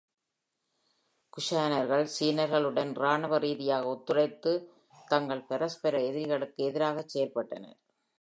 குஷானர்கள் சீனர்களுடன் இராணுவ ரீதியாக ஒத்துழைத்துத் தங்கள் பரஸ்பர எதிரிகளுக்கு எதிராகச் செயல்பட்டனர்.